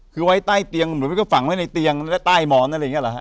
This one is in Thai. คือไว้ใต้เตียงเหมือนมันก็ฝังไว้ในเตียงและใต้หมอนอะไรอย่างนี้เหรอฮ